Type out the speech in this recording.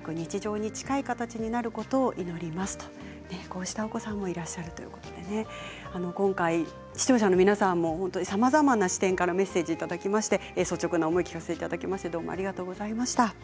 こうしたお子さんもいらっしゃるということで今回、視聴者の皆さんもさまざまな視点からメッセージをいただきまして率直な思いを聞かせていただいてありがとうございました。